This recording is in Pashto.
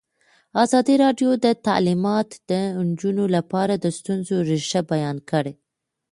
ازادي راډیو د تعلیمات د نجونو لپاره د ستونزو رېښه بیان کړې.